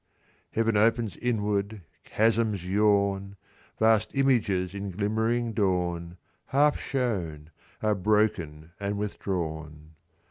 "Heaven opens inward, chasms yawn. Vast images in glimmering dawn, Half shown, are broken and withdrawn.